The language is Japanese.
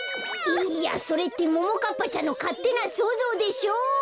いいやそれってももかっぱちゃんのかってなそうぞうでしょ！